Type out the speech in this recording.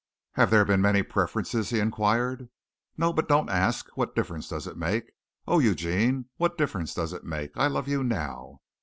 "Have there been many preferences?" he inquired. "No, but don't ask. What difference does it make? Oh, Eugene, what difference does it make? I love you now."